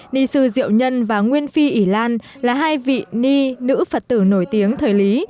ni sư diệu nhân và nguyên phi ỉ lan là hai vị ni nữ phật tử nổi tiếng thời lý